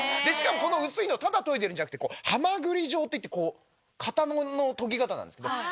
でしかもこの薄いのただ研いでるんじゃなくてハマグリ状っていってこう刀の研ぎ方なんですけど。